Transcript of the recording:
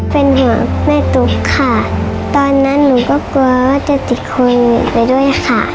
เป็นห่วงแม่ตุ๊กค่ะตอนนั้นหนูก็กลัวว่าจะติดโควิดไปด้วยค่ะ